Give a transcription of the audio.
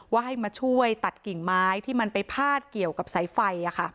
ให้มาช่วยตัดกิ่งไม้ที่มันไปพาดเกี่ยวกับสายไฟ